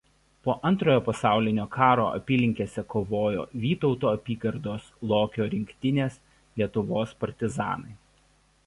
Po Antrojo pasaulinio karo apylinkėse kovojo Vytauto apygardos Lokio rinktinės Lietuvos partizanai.